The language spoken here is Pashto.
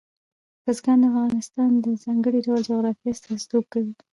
بزګان د افغانستان د ځانګړي ډول جغرافیه استازیتوب کوي.